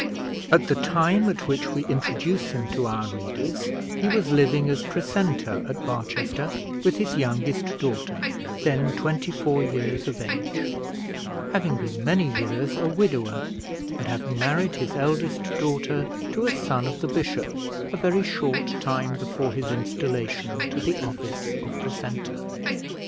At the time at which we introduce him to our readers he was living as precentor at Barchester with his youngest daughter, then twenty four years of age; having been many years a widower, and having married his eldest daughter to a son of the bishop a very short time before his installation to the office of precentor.